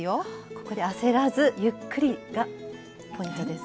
ここで焦らずゆっくりがポイントです。